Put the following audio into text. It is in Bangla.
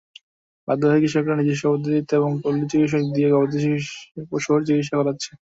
বাধ্য হয়ে কৃষকেরা নিজস্ব পদ্ধতিতে এবং পল্লিচিকিৎসক দিয়ে গবাদিপশুর চিকিৎসা করাচ্ছেন।